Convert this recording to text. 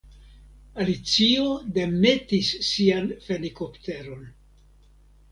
Alicio demetis sian fenikopteron.